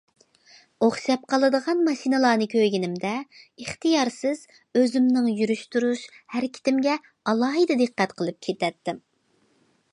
ئوخشاپ قالىدىغان ماشىنىلارنى كۆرگىنىمدە ئىختىيارسىز ئۆزۈمنىڭ يۈرۈش تۇرۇش ھەرىكىتىمگە ئالاھىدە دىققەت قىلىپ كېتەتتىم.